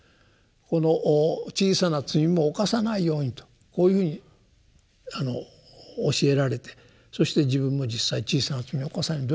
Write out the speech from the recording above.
この小さな罪も犯さないようにとこういうふうに教えられてそして自分も実際小さな罪を犯さないように努力してもですね